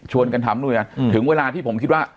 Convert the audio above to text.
ชวนกันทำถึงเวลาที่ผมคิดว่า